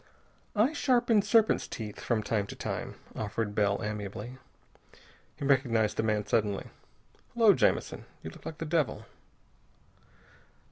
"I sharpen serpents' teeth from time to time," offered Bell amiably. He recognized the man, suddenly. "Hullo, Jamison, you look like the devil."